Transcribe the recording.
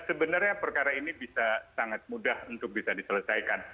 sebenarnya perkara ini bisa sangat mudah untuk bisa diselesaikan